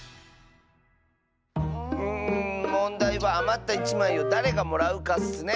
うんもんだいはあまった１まいをだれがもらうかッスね。